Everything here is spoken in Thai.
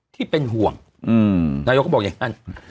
ที่เป็นห่วงนายกก็บอกอย่างนั้น